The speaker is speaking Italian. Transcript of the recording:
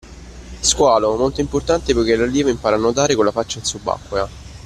Squalo: molto importante poichè l’allievo impara a nuotare con la faccia in subacquea